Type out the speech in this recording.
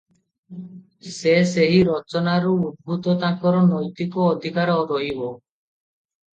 ସେ ସେହି ରଚନାରୁ ଉଦ୍ଭୁତ ତାଙ୍କର ନୈତିକ ଅଧିକାର ରହିବ ।